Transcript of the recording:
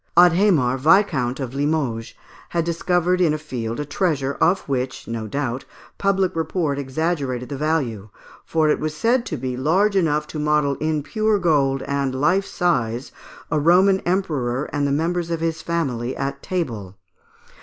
Adhémar, Viscount of Limoges, had discovered in a field a treasure, of which, no doubt, public report exaggerated the value, for it was said to be large enough to model in pure gold, and life size, a Roman emperor and the members of his family, at table.